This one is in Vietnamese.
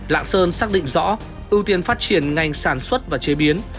lạng sơn xác định rõ ưu tiên phát triển ngành sản xuất và chế biến